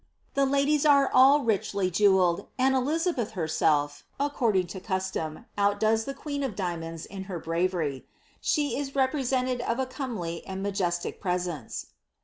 The ladies are all richly jewellpd, and Elizabeth her Hf, according to custom, outdoes the queen of diamonds in her bravery. She is represented of a comely and majestic presence.